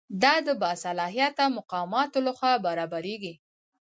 دا د باصلاحیته مقاماتو لخوا برابریږي.